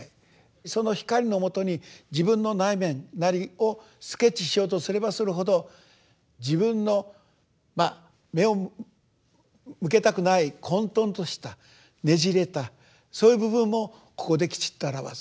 その光のもとに自分の内面なりをスケッチしようとすればするほど自分の目を向けたくない混とんとしたねじれたそういう部分もここできちっと表す。